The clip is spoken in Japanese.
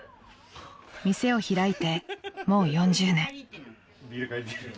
［店を開いてもう４０年］